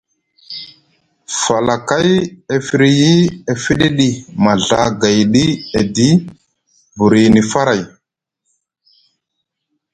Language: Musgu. Falakay e firyi e fiɗiɗi maɵagayɗi edi burini faray.